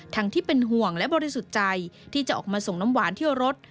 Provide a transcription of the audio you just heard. ที่เป็นห่วงและบริสุทธิ์ใจที่จะออกมาส่งน้ำหวานเที่ยวรถ